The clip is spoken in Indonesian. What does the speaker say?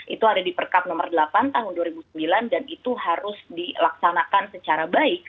itu ada di perkap nomor delapan tahun dua ribu sembilan dan itu harus dilaksanakan secara baik